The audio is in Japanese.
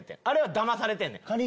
あれはだまされてんねん。